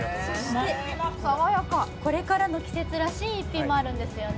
そして、これからの季節らしい一品もあるんですよね。